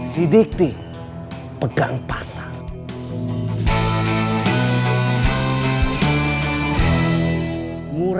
si dikti pegang pasar